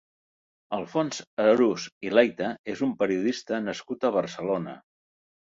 Alfons Arús i Leita és un periodista nascut a Barcelona.